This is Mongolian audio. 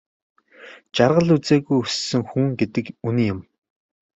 Жаргал үзээгүй өссөн хүн гэдэг үнэн юм.